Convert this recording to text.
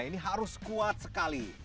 ini harus kuat sekali